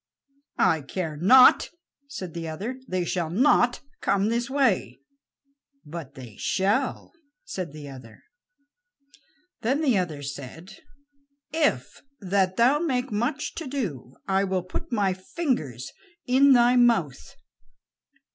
"I care not," said the other; "they shall not come this way." "But they shall," said the other. Then the other said: "If that thou make much to do, I will put my fingers in thy mouth."